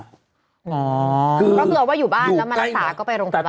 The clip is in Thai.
อ๋อรอบว่าอยู่บ้านแล้วมารักษาก็ไปโรงพยาบาล